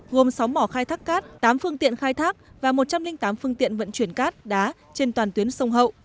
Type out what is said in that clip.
gồm sáu mỏ khai thác cát tám phương tiện khai thác và một trăm linh tám phương tiện vận chuyển cát đá trên toàn tuyến sông hậu